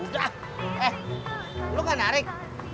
udah eh lu gak narik